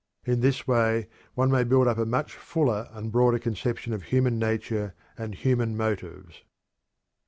In this way one may build up a much fuller and broader conception of human nature and human motives.